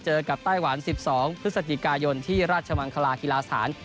เจอกับไต้หวัน๑๒พฤศจิกายนที่ราชมังคลากีฬาสถาน